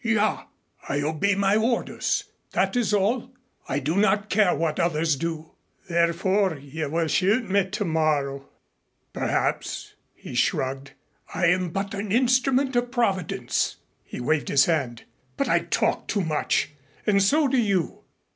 "Ja. I obey my orders, that is all. I do not care what others do." "Therefore you will shoot me tomorrow." "Perhaps," he shrugged. "I am but an instrument of Providence." He waved his hand. "But I talk too much, and so do you.